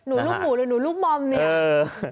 ลูกหมูหรือหนูรูปมอมเนี่ย